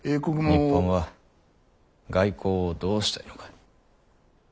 日本は外交をどうしたいのか？